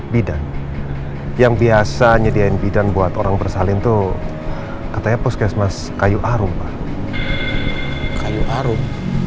bidan yang biasa nyediain bidan buat orang bersalin itu katanya puskesmas kayu arum kayu arum